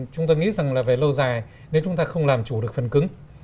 chúng tôi nghĩ rằng là về lâu dài nếu chúng ta không làm chủ được phần cứng